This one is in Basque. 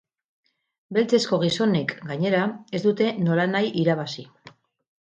Beltzezko gizonek, gainera, ez dute nolanahi irabazi.